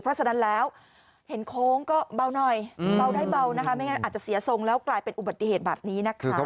เพราะฉะนั้นแล้วเห็นโค้งก็เบาหน่อยเบาได้เบานะคะไม่งั้นอาจจะเสียทรงแล้วกลายเป็นอุบัติเหตุแบบนี้นะคะ